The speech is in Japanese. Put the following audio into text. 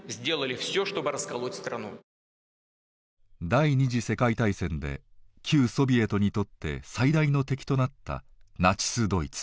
第２次世界大戦で旧ソビエトにとって最大の敵となったナチスドイツ。